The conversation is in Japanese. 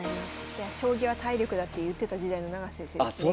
将棋は体力だって言ってた時代の永瀬先生ですね。